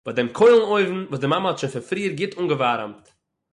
ביי דעם קוילן-אויוון וואס די מאמע האט שוין פון פריער גוט אנגעווארעמט